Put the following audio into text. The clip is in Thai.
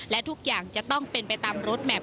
และทุกอย่างจะต้องเป็นไปตามรถแมพ